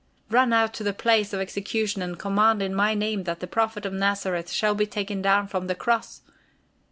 "Run out to the place of execution and command in my name that the Prophet of Nazareth shall be taken down from the cross!"